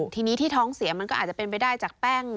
ทีนี้ที่ท้องเสียมันก็อาจจะเป็นไปได้จากแป้ง